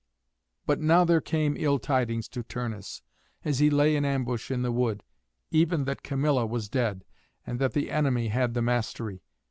But now there came ill tidings to Turnus as he lay in ambush in the wood, even that Camilla was dead, and that the enemy had the mastery.